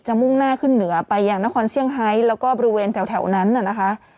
มุ่งหน้าขึ้นเหนือไปอย่างนครเซี่ยงไฮแล้วก็บริเวณแถวนั้นน่ะนะคะ